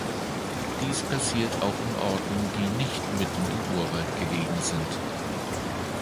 Dies passiert auch in Orten, die nicht mitten im Urwald gelegen sind.